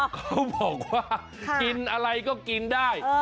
เขาบอกว่ากินอะไรก็กินได้